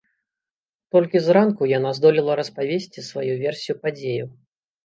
Толькі зранку яна здолела распавесці сваю версію падзеяў.